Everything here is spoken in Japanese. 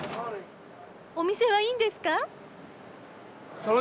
お店はいいんですか？